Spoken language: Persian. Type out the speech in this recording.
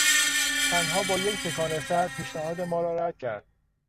تنها با یک تکان سر پیشنهاد ما را رد کرد.